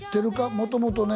もともとね